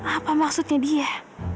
apa maksudnya dia